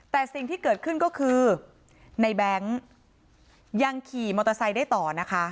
แต่สิ่งที่เกิดขึ้นก็คือในแบงค์ยังขี่มอเตอร์ไซค์ได้ต่อนะคะ